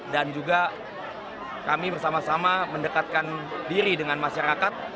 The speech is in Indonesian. juga kami bersama sama mendekatkan diri dengan masyarakat